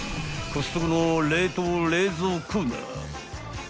［コストコの冷凍冷蔵コーナー］